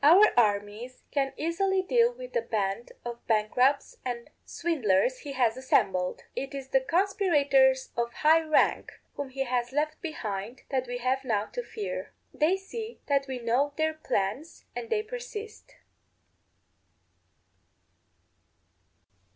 Our armies can easily deal with the band of bankrupts and swindlers he has assembled; it is the conspirators of high rank, whom he has left behind, that we have now to fear. They see that we know their plans, yet they persist.